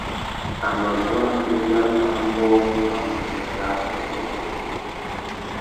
A mà guá nà ambōh râ nguêndê râā upwêpwê.